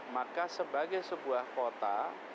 maka sebagai sebuah kota